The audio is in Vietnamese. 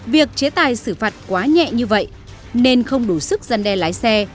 việc chế tài xử phạt quá nhẹ như vậy nên không đủ sức gian đe lái xe